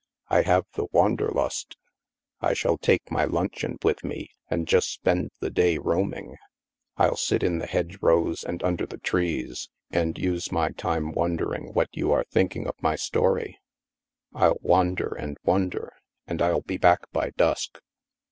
I have the * wanderlust f I shall take my luncheon with me and just spend the day roaming. HAVEN 273 ni sit in the hedge rows, and under the trees, and use my time wondering what you are thinking of my story, ril wander and wonder, and I'll be back by dusk."